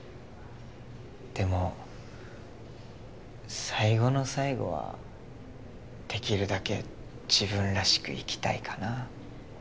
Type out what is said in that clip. でも最期の最期はできるだけ自分らしく逝きたいかなあ。